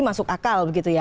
masuk akal begitu ya